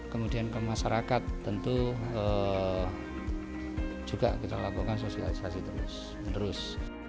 kemudian ke masyarakat tentu juga kita lakukan sosialisasi terus menerus